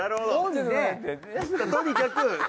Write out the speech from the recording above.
とにかく。